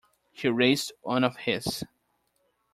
He raised one of his.